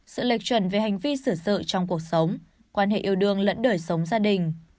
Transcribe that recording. sự lệch chuẩn về hành vi sử sự trong cuộc sống quan hệ yêu đương lẫn đời sống gia đình